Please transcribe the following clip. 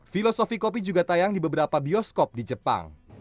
filosofi kopi juga tayang di beberapa bioskop di jepang